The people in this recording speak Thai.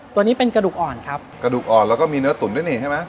ตัวนี้เป็นกระดูกอ่อนครับกระดูกอ่อนแล้วก็มีเนื้อตุ๋นด้วยนี่ใช่ไหม